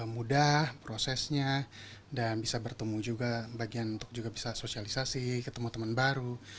mudah prosesnya dan bisa bertemu juga bagian untuk juga bisa sosialisasi ketemu teman baru